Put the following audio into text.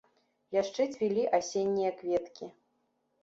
Яшчэ цвілі асеннія кветкі.